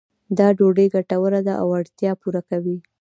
دا ډوډۍ ګټوره ده او اړتیا پوره کوي.